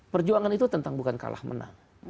perjuangan itu bukan tentang kalah menang